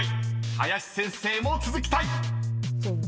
［林先生も続きたい］